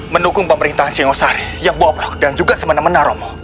menukung pemerintahan singosari yang boblok dan juga semena mena romo